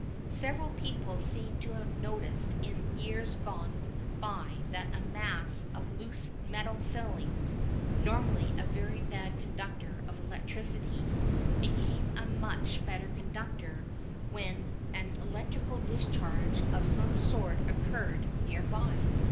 ] Several people seem to have noticed in years gone by that a mass of loose metal filings, normally a very bad conductor of electricity, became a much better conductor when an electrical discharge of some sort occurred near by.